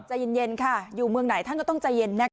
ใจเย็นค่ะอยู่เมืองไหนท่านก็ต้องใจเย็นนะคะ